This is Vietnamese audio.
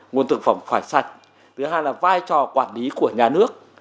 nguồn thực phẩm phải sạch thứ hai là vai trò quản lý của nhà nước